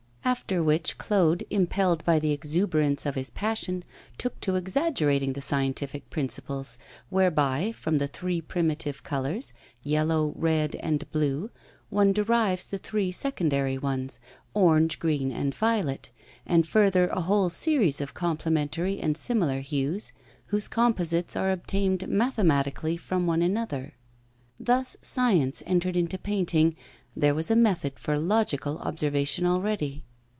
After which Claude, impelled by the exuberance of his passion, took to exaggerating the scientific principles whereby, from the three primitive colours, yellow, red, and blue, one derives the three secondary ones, orange, green, and violet, and, further, a whole series of complementary and similar hues, whose composites are obtained mathematically from one another. Thus science entered into painting, there was a method for logical observation already.